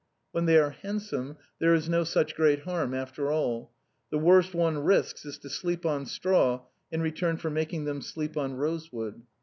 When they are handsome, there is no such great harm after all ; the worst one risks is to sleep on straw in return for making them sleep on rosewood.